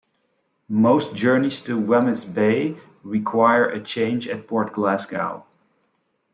Most journeys to Wemyss Bay require a change at Port Glasgow.